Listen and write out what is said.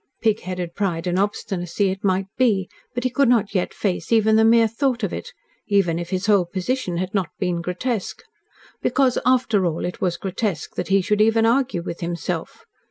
Pig headed pride and obstinacy it might be, but he could not yet face even the mere thought of it even if his whole position had not been grotesque. Because, after all, it was grotesque that he should even argue with himself.